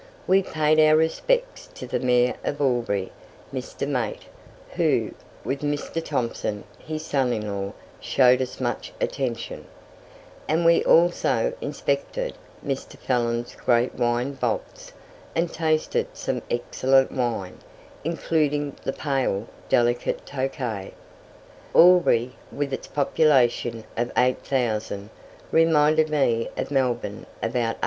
We paid our respects to the Mayor of Albury, Mr. Mate, who, with Mr. Thompson, his son in law, showed us much attention; and we also inspected Mr. Fallon's great wine vaults, and tasted some excellent wine, including the pale, delicate tokay. Albury, with its population of 8,000, reminded me of Melbourne about 1845.